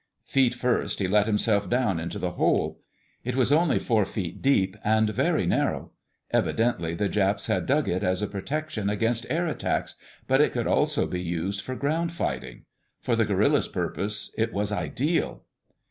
Feet first, he let himself down into the hole. It was only four feet deep and very narrow. Evidently the Japs had dug it as a protection against air attacks, but it could also be used for ground fighting. For the guerillas' purpose it was ideal.